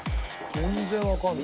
全然わかんない。